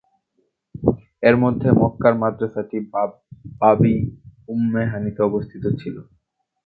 এর মধ্যে মক্কার মাদ্রাসাটি বাব-ই-উম্মেহানিতে অবস্থিত ছিল।